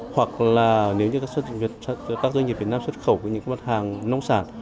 hoặc là nếu như các doanh nghiệp việt nam xuất khẩu với những mặt hàng nông sản